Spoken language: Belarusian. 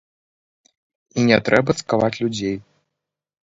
І не трэба цкаваць людзей.